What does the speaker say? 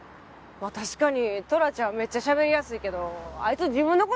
確かにトラちゃんめっちゃしゃべりやすいけどあいつ自分の事